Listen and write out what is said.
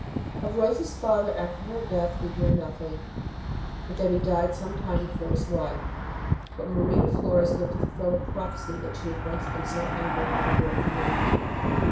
Of Rose s father, after her death, we hear nothing but that he died some time before his wife ; but Marie de Flores lived to fulfil the prophecy that she had once been so angry with her daughter for making.